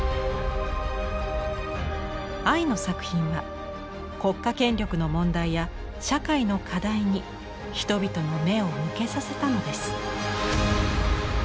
アイの作品は国家権力の問題や社会の課題に人々の目を向けさせたのです。